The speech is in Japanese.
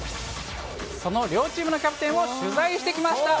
その両チームのキャプテンを取材してきました。